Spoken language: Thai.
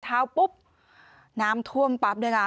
เช้าปุ๊บน้ำท่วมปรับนะคะ